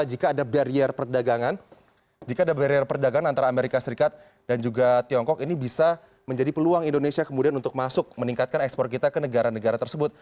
jika ada barrier perdagangan jika ada barrier perdagangan antara amerika serikat dan juga tiongkok ini bisa menjadi peluang indonesia kemudian untuk masuk meningkatkan ekspor kita ke negara negara tersebut